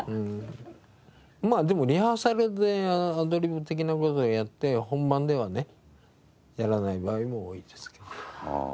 まあでもリハーサルでアドリブ的な事をやって本番ではねやらない場合も多いですけど。